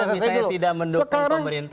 misalnya tidak mendukung pemerintah